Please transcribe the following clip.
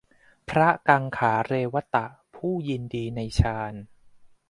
พระกังขาเรวตะ ผู้ยินดีในฌาน